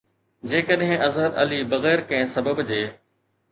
جيڪڏهن اظهر علي بغير ڪنهن سبب جي